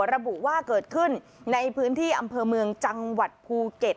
ระบุว่าเกิดขึ้นในพื้นที่อำเภอเมืองจังหวัดภูเก็ต